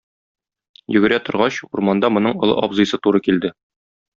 Йөгерә торгач, урманда моның олы абзыйсы туры килде.